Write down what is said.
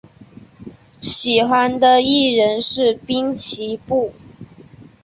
喜欢的艺人是滨崎步。